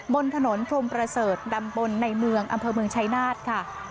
บนถนนพรมประเสริฐดำบลในเมืองอำเภอเมืองชายนาฏค่ะ